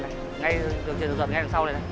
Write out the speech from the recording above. ngay đường trường dự luật ngay đằng sau này